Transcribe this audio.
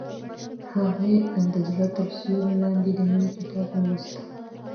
هغې د زړه تر سیوري لاندې د مینې کتاب ولوست.